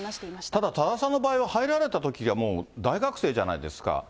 ただ、多田さんの場合は、入られたときがもう大学生じゃないですか。